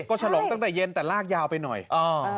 ก็ฉลองตั้งแต่เย็นแต่ลากยาวไปหน่อยอ่า